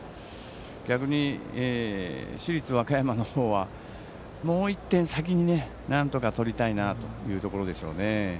逆に市立和歌山の方は先にもう１点をなんとか取りたいなというところでしょう。